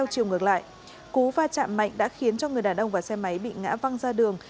chiều ngược lại cú va chạm mạnh đã khiến cho người đàn ông và xe máy bị ngã văng ra đường